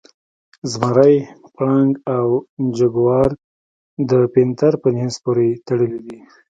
زمری، پړانګ او جګوار د پینتر په جنس پورې تړلي دي.